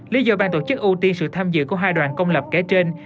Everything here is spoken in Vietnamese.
lý do ban tổ chức ưu tiên sự tham dự của hai đoàn công lập kể trên